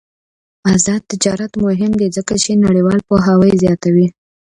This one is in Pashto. آزاد تجارت مهم دی ځکه چې نړیوال پوهاوی زیاتوي.